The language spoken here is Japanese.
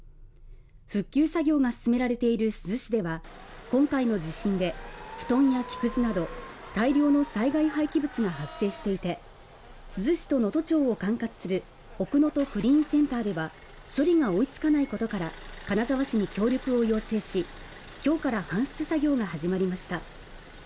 復旧作業が進められている珠洲市では今回の地震で布団や木くずなど大量の災害廃棄物が発生していて、珠洲市と能登町を管轄する奥能登クリーンセンターでは処理が追いつかないことから、金沢市に協力を要請し、今日から搬出作業が始まりました。